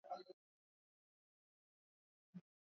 sheria hiyo ilipitishwa na baraza la usalama la umoja wa mataifa